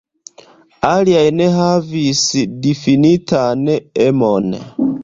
Aliaj ne havis difinitan emon.